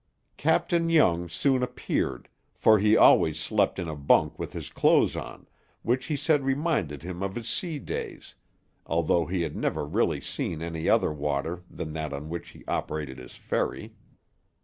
"Captain Young" soon appeared, for he always slept in a bunk with his clothes on, which he said reminded him of his sea days, although he had never really seen any other water than that on which he operated his ferry.